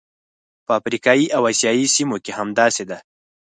په افریقایي او اسیايي سیمو کې همداسې ده.